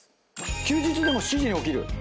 休日でも７時に起きる？